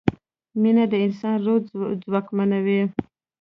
مینه د انسان روح ځواکمنوي.